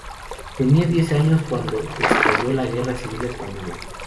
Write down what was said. Tenía diez años cuando estalló la Guerra civil española.